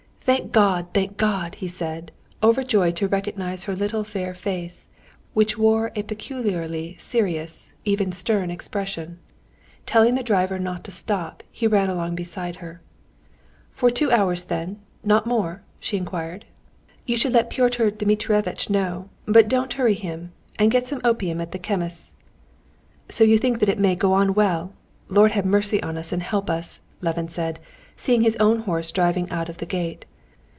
"Thank God! thank God!" he said, overjoyed to recognize her little fair face which wore a peculiarly serious, even stern expression. Telling the driver not to stop, he ran along beside her. "For two hours, then? Not more?" she inquired. "You should let Pyotr Dmitrievitch know, but don't hurry him. And get some opium at the chemist's." "So you think that it may go on well? Lord have mercy on us and help us!" Levin said, seeing his own horse driving out of the gate.